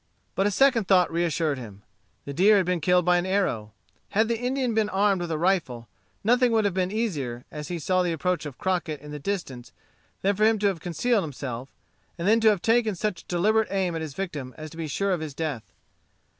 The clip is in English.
But a second thought reassured him. The deer had been killed by an arrow. Had the Indian been armed with a rifle, nothing would have been easier, as he saw the approach of Crockett in the distance than for him to have concealed himself, and then to have taken such deliberate aim at his victim as to be sure of his death.